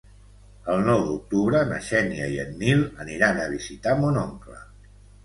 El nou d'octubre na Xènia i en Nil aniran a visitar mon oncle.